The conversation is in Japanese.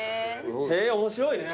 面白いね。